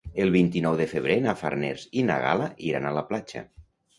El vint-i-nou de febrer na Farners i na Gal·la iran a la platja.